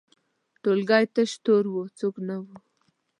ټولګی تش تور و، هیڅوک نه وو.